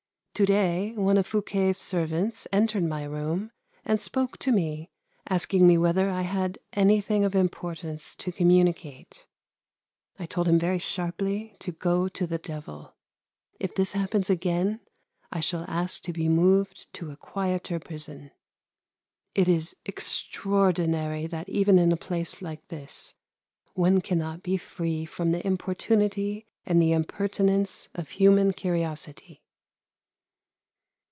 To day one of Fouquet's servants entered my room and spoke to me, asking me whether I had anything of importance to communicate. I told him very sharply to go to the devil. If this happens again I shall ask to be moved to a quieter prison. It is extraordinary that even in a place like this one cannot be free from the importunity and the impertinence of human curiosity.